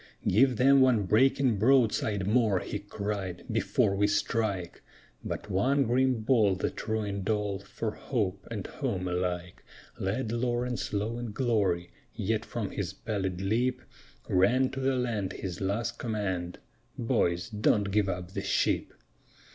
"Give them one breaking broadside more," he cried, "before we strike!" But one grim ball that ruined all for hope and home alike Laid Lawrence low in glory, yet from his pallid lip Rang to the land his last command: "Boys, don't give up the ship!"